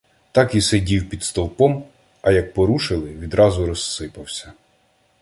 Так і сидів під стовпом, а як порушили — відразу розсипався.